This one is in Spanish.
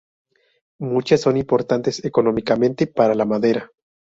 Muchas son importantes económicamente para madera.